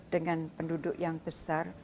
dengan penduduk yang besar